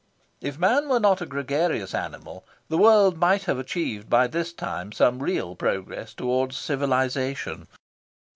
If man were not a gregarious animal, the world might have achieved, by this time, some real progress towards civilisation.